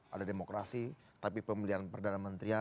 ada demokrasi tapi pemilihan perdana menteri